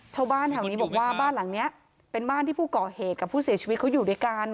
ชาวบ้านแถวนี้บอกว่าบ้านหลังนี้เป็นบ้านที่ผู้ก่อเหตุกับผู้เสียชีวิตเขาอยู่ด้วยกัน